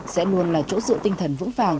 sẽ luôn là chỗ dự tinh thần vững vàng